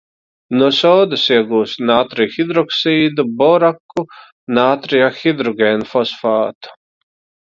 No sodas iegūst nātrija hidroksīdu, boraku, nātrija hidrogēnfosfātu.